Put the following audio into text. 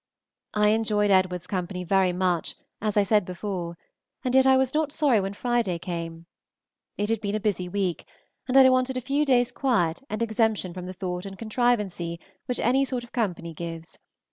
I enjoyed Edward's company very much, as I said before, and yet I was not sorry when Friday came. It had been a busy week, and I wanted a few days' quiet and exemption from the thought and contrivancy which any sort of company gives.